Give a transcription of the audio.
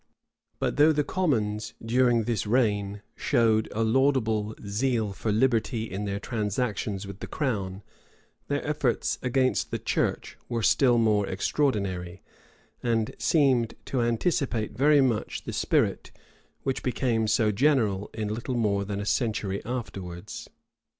But though the commons, during this reign, showed a laudable zeal for liberty in their transactions with the crown, their efforts against the church were still more extraordinary, and seemed to anticipate very much the spirit which became so general in little more than a century afterwards.